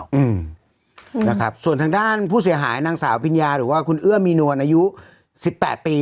อืมนะครับส่วนทางด้านผู้เสียหายนางสาวพิญญาหรือว่าคุณเอื้อมีนวลอายุสิบแปดปี